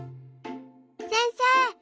せんせい！